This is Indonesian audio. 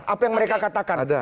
apa yang mereka katakan